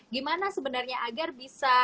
gimana sebenernya agar bisa